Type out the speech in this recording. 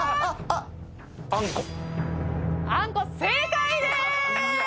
あんこ正解でーす！